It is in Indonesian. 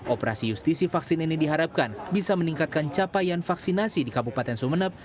operasi justisi vaksin ini diharapkan bisa meningkatkan capaian vaksinasi di kabupaten sumeneb